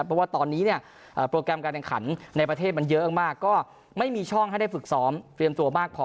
บ้างก็ไม่มีช่องให้ได้ฝึกซ้อมเตรียมตัวมากพอ